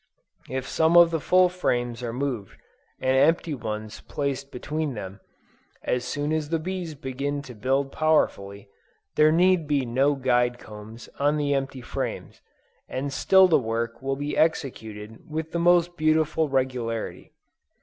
If some of the full frames are moved, and empty ones placed between them, as soon as the bees begin to build powerfully, there need be no guide combs on the empty frames, and still the work will be executed with the most beautiful regularity.